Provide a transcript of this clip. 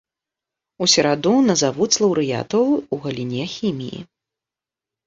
У сераду назавуць лаўрэатаў у галіне хіміі.